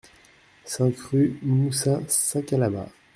cinq rue Moussa Sakalava